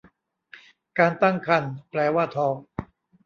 การตั้งครรภ์แปลว่าท้อง